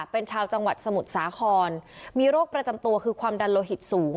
เป็นชาวจังหวัดสมุทรสาครมีโรคประจำตัวคือความดันโลหิตสูง